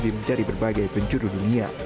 bagi umat muslim dari berbagai penjuru dunia